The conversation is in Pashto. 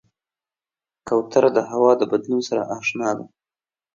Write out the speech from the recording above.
کوتره د هوا د بدلون سره اشنا ده.